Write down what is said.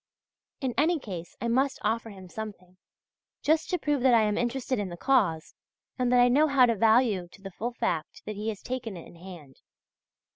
In any case I must offer him something, just to prove that I am interested in the cause, and that I know how to value to the full the fact that he has taken it in hand.